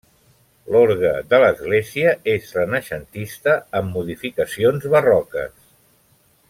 L'Orgue de l'església és renaixentista, amb modificacions barroques.